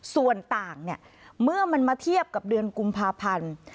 ส่วนต่างเมื่อมันมาเทียบกับเดือนกุมภาพันธ์